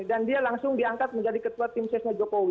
dan dia langsung diangkat menjadi ketua tim sesnya jokowi